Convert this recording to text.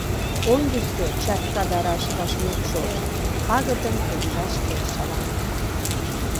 Ончычсо чатка да раш вашмутшо Пагытын торжаште шалана.